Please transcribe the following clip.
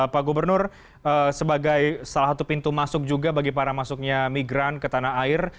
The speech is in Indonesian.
pak gubernur sebagai salah satu pintu masuk juga bagi para masuknya migran ke tanah air